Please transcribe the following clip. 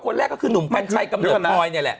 คนแรกก็คือหนุ่มแฟนชัยกำหนดตายนี่แหละ